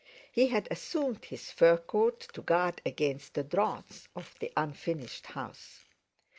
He had assumed his fur coat, to guard against the draughts of the unfinished house.